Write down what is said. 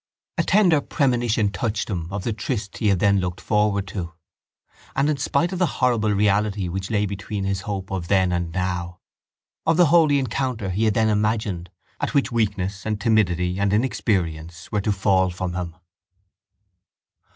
A tender premonition touched him of the tryst he had then looked forward to and, in spite of the horrible reality which lay between his hope of then and now, of the holy encounter he had then imagined at which weakness and timidity and inexperience were to fall from him.